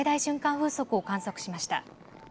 風速を観測しました。